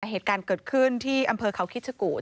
เหตุการณ์เกิดขึ้นที่อำเภอเขาคิดชะกูธ